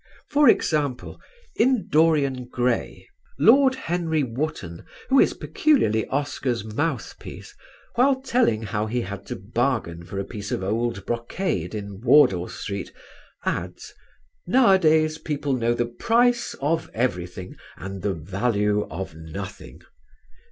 For example, in "Dorian Gray" Lord Henry Wotton, who is peculiarly Oscar's mouthpiece, while telling how he had to bargain for a piece of old brocade in Wardour Street, adds, "nowadays people know the price of everything and the value of nothing."